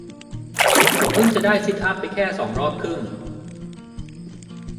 ผมเพิ่งจะได้ซิทอัพไปแค่สองรอบครึ่ง